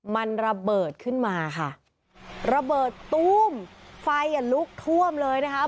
มันระเบิดขึ้นมาค่ะระเบิดตู้มไฟอ่ะลุกท่วมเลยนะคะ